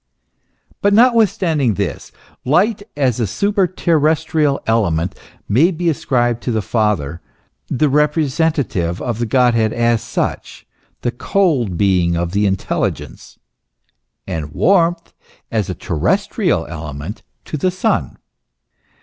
But notwithstanding this, light as a super terrestrial element may be ascribed to the Father, the representative of the Godhead as such, the cold being of the intelligence; and warmth, as a terrestrial element, to the Son.